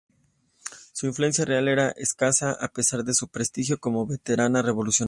Su influencia real era escasa, a pesar de su prestigio como veterana revolucionaria.